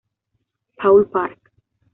Paul Park.